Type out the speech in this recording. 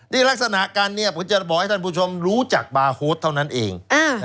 นี่ลักษณะกันเนี่ยผมจะบอกให้ท่านผู้ชมรู้จักบาร์โฮสเท่านั้นเอง